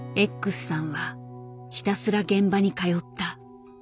Ｘさんはひたすら現場に通った。